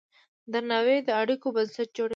درناوی د اړیکو بنسټ جوړوي.